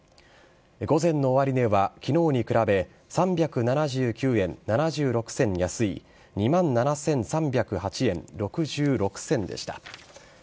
午前の終値は昨日に比べ３７９円７６銭安い２万７３０８円６６銭でした。